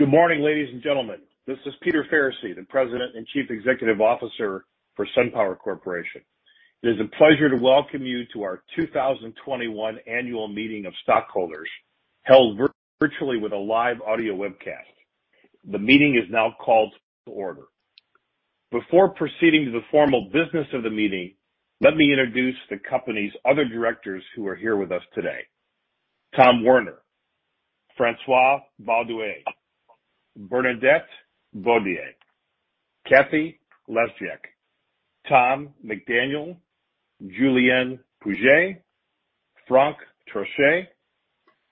Good morning, ladies and gentlemen. This is Peter Faricy, the President and Chief Executive Officer for SunPower Corporation. It is a pleasure to welcome you to our 2021 annual meeting of stockholders, held virtually with a live audio webcast. The meeting is now called to order. Before proceeding to the formal business of the meeting, let me introduce the company's other directors who are here with us today. Tom Werner, François Badoual, Bernadette Bodier, Cathy Lesjak, Tom McDaniel, Julien Pouget, Franck Trochet,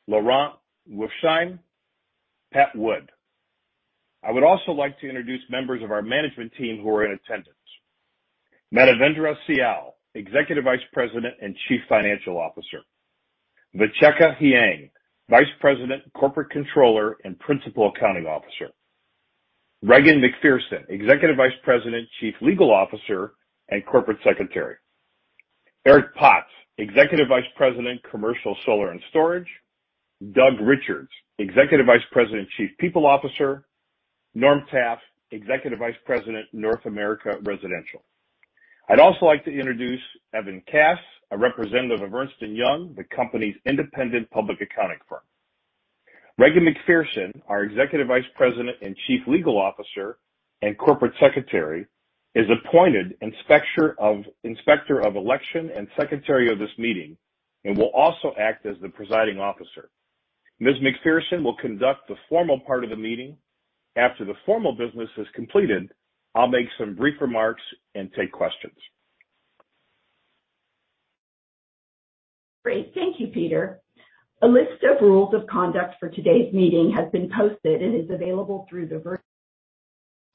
Laurent Wolffsheim, Pat Wood. I would also like to introduce members of our management team who are in attendance. Manavendra Sial, Executive Vice President and Chief Financial Officer. Vichheka Heang, Vice President, Corporate Controller, and Principal Accounting Officer. Regan MacPherson, Executive Vice President, Chief Legal Officer, and Corporate Secretary. Eric Potts, Executive Vice President, Commercial Solar and Storage. Doug Richards, Executive Vice President, Chief People Officer. Norm Taffe, Executive Vice President, North America Residential. I'd also like to introduce Evan Cass, a representative of Ernst & Young, the company's independent public accounting firm. Regan MacPherson, our Executive Vice President and Chief Legal Officer and Corporate Secretary, is appointed Inspector of Election and Secretary of this meeting and will also act as the Presiding Officer. Ms. MacPherson will conduct the formal part of the meeting. After the formal business is completed, I'll make some brief remarks and take questions. Great. Thank you, Peter. A list of rules of conduct for today's meeting has been posted and is available through the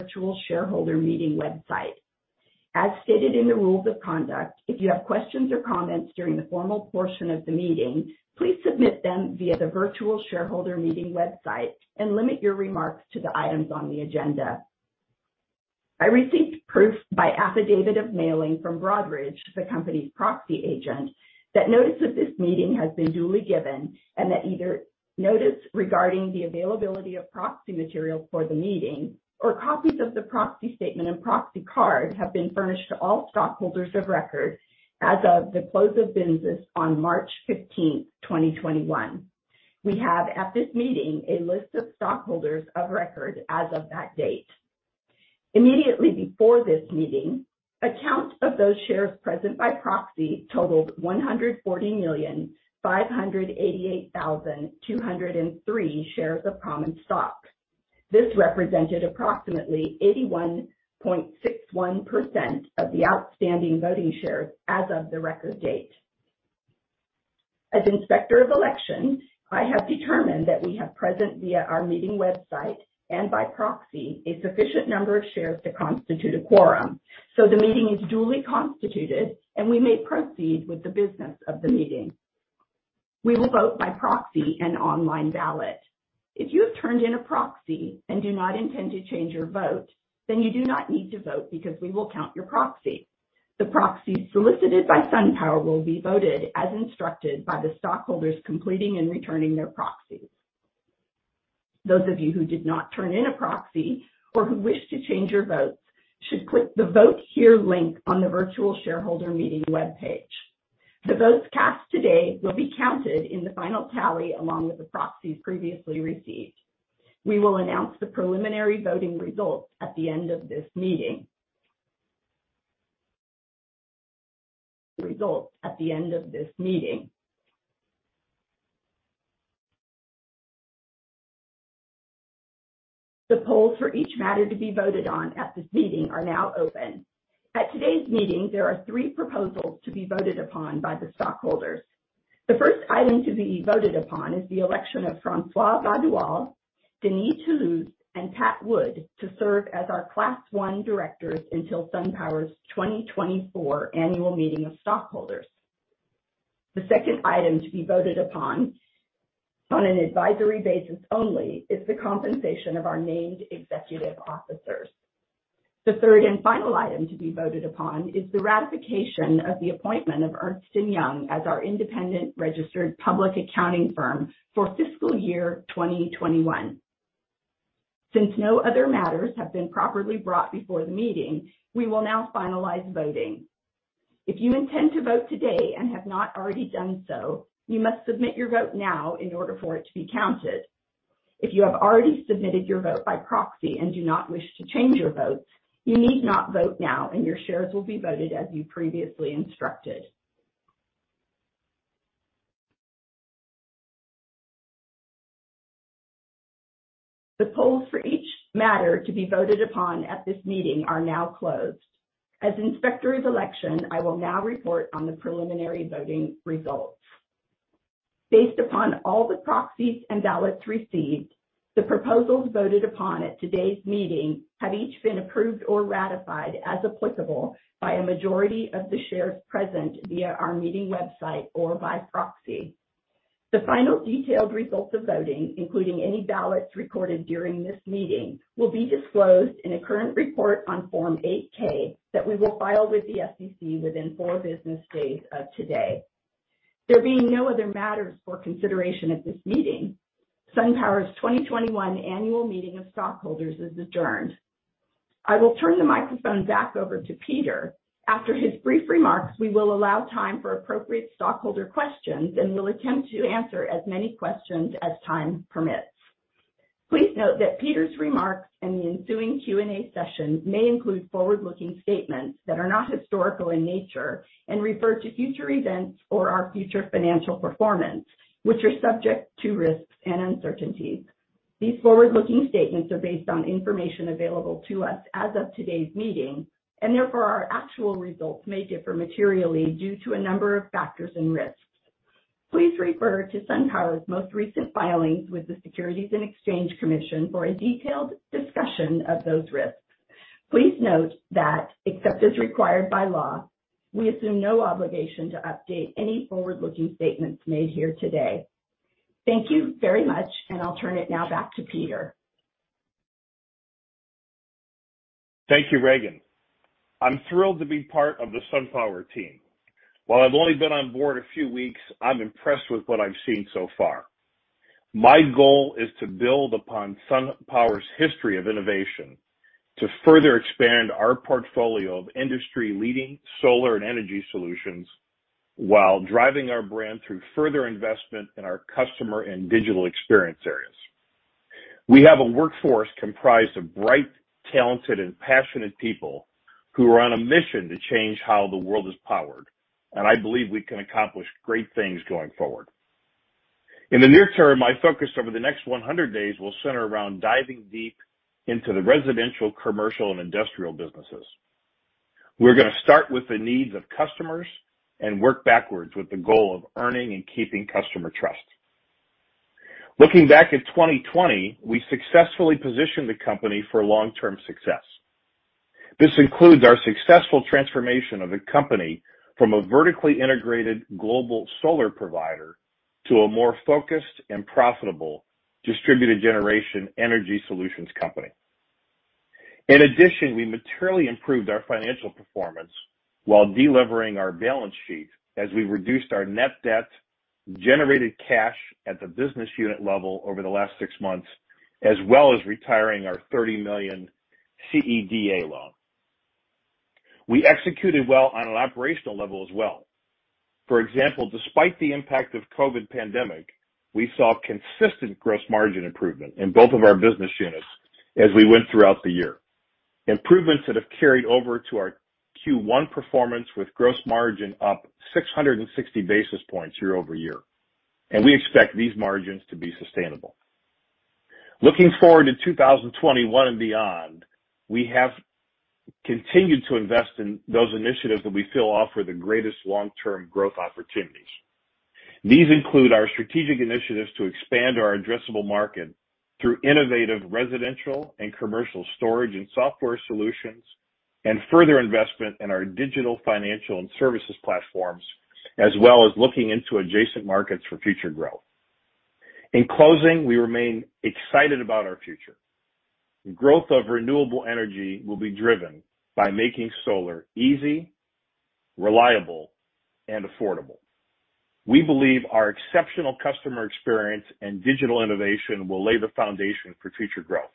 virtual shareholder meeting website. As stated in the rules of conduct, if you have questions or comments during the formal portion of the meeting, please submit them via the virtual shareholder meeting website and limit your remarks to the items on the agenda. I received proof by affidavit of mailing from Broadridge, the company's proxy agent, that notice of this meeting has been duly given and that either notice regarding the availability of proxy material for the meeting or copies of the proxy statement and proxy card have been furnished to all stockholders of record as of the close of business on March 15th, 2021. We have at this meeting a list of stockholders of record as of that date. Immediately before this meeting, a count of those shares present by proxy totaled 140,588,203 shares of common stock. This represented approximately 81.61% of the outstanding voting shares as of the record date. As Inspector of Election, I have determined that we have present via our meeting website and by proxy a sufficient number of shares to constitute a quorum, so the meeting is duly constituted, and we may proceed with the business of the meeting. We will vote by proxy and online ballot. If you have turned in a proxy and do not intend to change your vote, then you do not need to vote because we will count your proxy. The proxies solicited by SunPower will be voted as instructed by the stockholders completing and returning their proxies. Those of you who did not turn in a proxy or who wish to change your votes should click the "Vote Here" link on the Virtual Shareholder Meeting webpage. The votes cast today will be counted in the final tally along with the proxies previously received. We will announce the preliminary voting results at the end of this meeting. The polls for each matter to be voted on at this meeting are now open. At today's meeting, there are three proposals to be voted upon by the stockholders. The first item to be voted upon is the election of François Badoual, [Denise Louagie], and Pat Wood to serve as our Class I directors until SunPower's 2024 Annual Meeting of Stockholders. The second item to be voted upon, on an advisory basis only, is the compensation of our named executive officers. The third and final item to be voted upon is the ratification of the appointment of Ernst & Young as our independent registered public accounting firm for fiscal year 2021. Since no other matters have been properly brought before the meeting, we will now finalize voting. If you intend to vote today and have not already done so, you must submit your vote now in order for it to be counted. If you have already submitted your vote by proxy and do not wish to change your vote, you need not vote now, and your shares will be voted as you previously instructed. The polls for each matter to be voted upon at this meeting are now closed. As Inspector of Election, I will now report on the preliminary voting results. Based upon all the proxies and ballots received, the proposals voted upon at today's meeting have each been approved or ratified, as applicable, by a majority of the shares present via our meeting website or by proxy. The final detailed results of voting, including any ballots recorded during this meeting, will be disclosed in a current report on Form 8-K that we will file with the SEC within four business days of today. There being no other matters for consideration at this meeting, SunPower's 2021 annual meeting of stockholders is adjourned. I will turn the microphone back over to Peter. After his brief remarks, we will allow time for appropriate stockholder questions, and we'll attempt to answer as many questions as time permits. Please note that Peter's remarks and the ensuing Q&A session may include forward-looking statements that are not historical in nature and refer to future events or our future financial performance, which are subject to risks and uncertainties. These forward looking statements are based on information available to us as of today's meeting. Therefore our actual results may differ materially due to a number of factors and risks. Please refer to SunPower's most recent filings with the Securities and Exchange Commission for a detailed discussion of those risks. Please note that except as required by law, we assume no obligation to update any forward-looking statements made here today. Thank you very much, I'll turn it now back to Peter. Thank you, Regan. I'm thrilled to be part of the SunPower team. While I've only been on board a few weeks, I'm impressed with what I've seen so far. My goal is to build upon SunPower's history of innovation to further expand our portfolio of industry-leading solar and energy solutions, while driving our brand through further investment in our customer and digital experience areas. We have a workforce comprised of bright, talented, and passionate people who are on a mission to change how the world is powered. I believe we can accomplish great things going forward. In the near term, my focus over the next 100 days will center around diving deep into the residential, commercial, and industrial businesses. We're going to start with the needs of customers and work backwards with the goal of earning and keeping customer trust. Looking back at 2020, we successfully positioned the company for long-term success. This includes our successful transformation of the company from a vertically integrated global solar provider to a more focused and profitable distributed generation energy solutions company. We materially improved our financial performance while delevering our balance sheet as we reduced our net debt, generated cash at the business unit level over the last six months, as well as retiring our $30 million CEDA loan. We executed well on an operational level as well. For example, despite the impact of COVID pandemic, we saw consistent gross margin improvement in both of our business units as we went throughout the year. Improvements that have carried over to our Q1 performance with gross margin up 660 basis points year-over-year. We expect these margins to be sustainable. Looking forward to 2021 and beyond, we have continued to invest in those initiatives that we feel offer the greatest long-term growth opportunities. These include our strategic initiatives to expand our addressable market through innovative residential and commercial storage and software solutions, and further investment in our digital financial and services platforms, as well as looking into adjacent markets for future growth. In closing, we remain excited about our future. Growth of renewable energy will be driven by making solar easy, reliable, and affordable. We believe our exceptional customer experience and digital innovation will lay the foundation for future growth.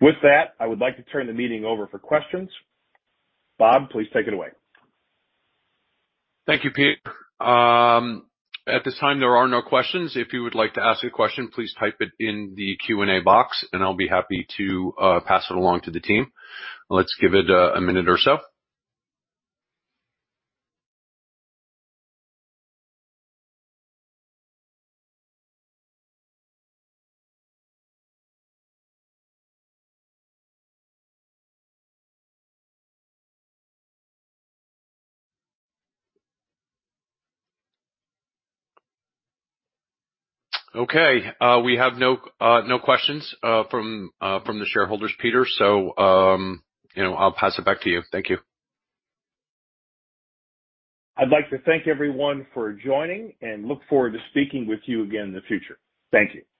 With that, I would like to turn the meeting over for questions. Bob, please take it away. Thank you, Pete. At this time, there are no questions. If you would like to ask a question, please type it in the Q&A box and I'll be happy to pass it along to the team. Let's give it a minute or so. Okay. We have no questions from the shareholders, Peter. I'll pass it back to you. Thank you. I'd like to thank everyone for joining and look forward to speaking with you again in the future. Thank you.